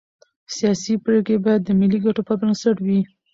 سیاسي پرېکړې باید د ملي ګټو پر بنسټ وي